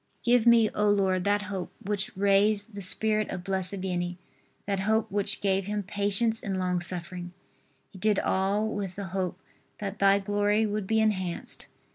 Give me, O Lord, that hope which raised the spirit of Blessed Vianney, that hope which gave him patience in long suffering. He did all with the hope that Thy glory would be enhanced.